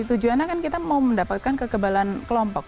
tujuannya kan kita mau mendapatkan kekebalan kelompok